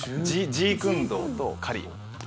ジークンドーとカリ。